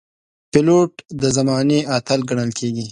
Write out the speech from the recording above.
پیلوټ د زمانې اتل ګڼل کېږي.